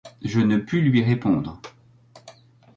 Je ne pus lui répondre.